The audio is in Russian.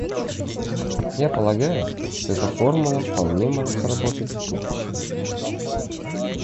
Я полагаю, что эта формула вполне может сработать в будущем.